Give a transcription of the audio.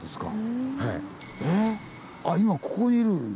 あっ今ここにいるんですね。